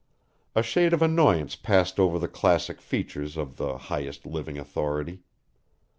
A shade of annoyance passed over the classic features of the Highest Living Authority.